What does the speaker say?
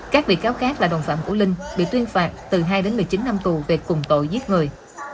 các bị cáo khác là đồng phạm của linh bị tuyên phạt từ hai đến một mươi chín năm tù về cùng tội giết người